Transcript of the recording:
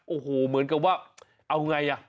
โอ้โหเหมือนกับว่าเอาไงอ่ะ